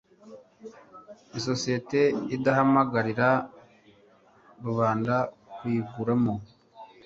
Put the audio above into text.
isosiyete idahamagarira rubanda kuyiguramo